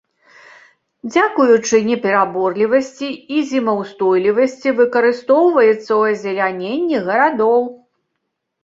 Дзякуючы непераборлівасці і зімаўстойлівасці выкарыстоўваецца ў азеляненні гарадоў.